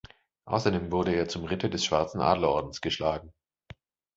Außerdem wurde er zum Ritter des Schwarzen Adlerordens geschlagen.